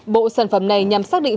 bộ sản phẩm này nhằm xác định